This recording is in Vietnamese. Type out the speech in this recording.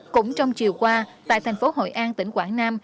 cũng trong chiều qua tại thành phố hội an tỉnh quảng nam